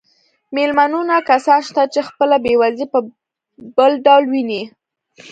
میلیونونه کسان شته چې خپله بېوزلي په بل ډول ویني